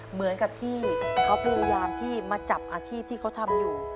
เหมือนกับที่เขาพยายามที่มาจับอาชีพที่เขาทำอยู่